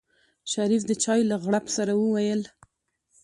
شريف د چای له غړپ سره وويل.